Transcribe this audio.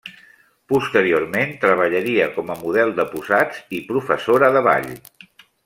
Posteriorment, treballaria com a model de posats i professora de ball.